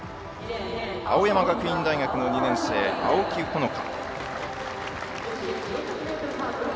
青山学院大学の２年生の青木穂花。